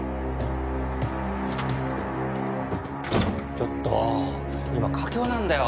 ちょっと今佳境なんだよ。